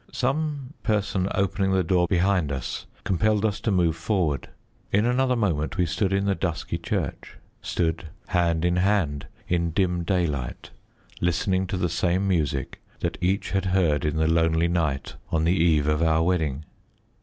Some person opening the door behind us compelled us to move forward. In another moment we stood in the dusky church stood hand in hand in dim daylight, listening to the same music that each had heard in the lonely night on the eve of our wedding.